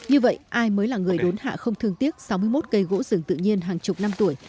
như vậy ai mới là người đốn hạ không thương tiếc sáu mươi một cây gỗ rừng tự nhiên hàng chục năm tuổi